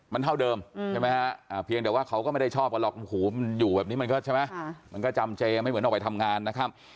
มันเท่าเดิมเพียงเดี๋ยวว่าเขาก็ไม่ได้ชอบกันหรอกหูอยู่แบบนี้มันก็จำเจอไม่เหมือนออกไปทำงานนะครับ